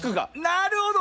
なるほど！